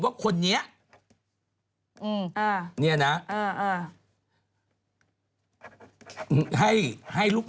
อะไรเกิดขึ้นรู้ไหม